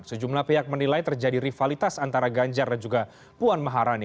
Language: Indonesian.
sejumlah pihak menilai terjadi rivalitas antara ganjar dan juga puan maharani